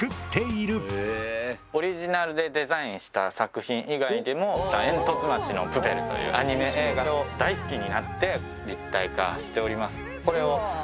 オリジナルでデザインした作品以外でも「えんとつ町のプペル」というアニメ映画を大好きになって立体化しております。